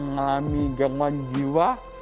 mengalami gangguan jiwa